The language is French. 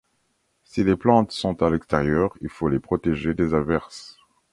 Si les plantes sont à l'extérieur, il faut les protéger des averses.